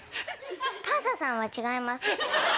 パンサーさんは違います。